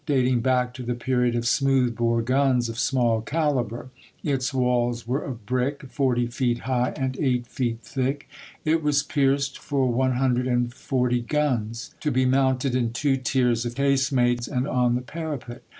dating back to the period of smooth bore guns of small caliber; its walls were of brick, forty feet high and eight feet thick ; it was pierced for one hundred and forty guns, to be mounted in two tiers of casemates and on the parapet.